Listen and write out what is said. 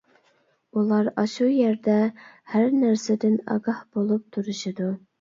ئۇلار ئاشۇ يەردە ھەر نەرسىدىن ئاگاھ بولۇپ تۇرۇشىدۇ.